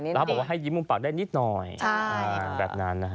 แล้วเขาบอกว่าให้ยิ้มมุมปากได้นิดหน่อยแบบนั้นนะฮะ